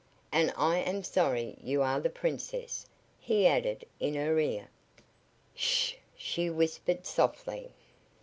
"And I am sorry you are the Princess," he added, in her ear. "Sh!" she whispered, softly.